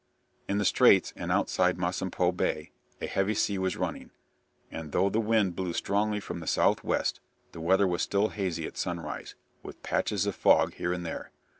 In the straits and outside Masampho Bay a heavy sea was running, and though the wind blew strongly from the south west, the weather was still hazy at sunrise, with patches of fog here and there.